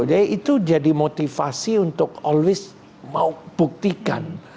jadi itu jadi motivasi untuk always mau buktikan